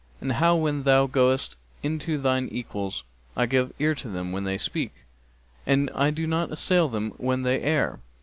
'And how when thou goest in to thine equals?' 'I give ear to them when they speak and I do not assail them when they err!'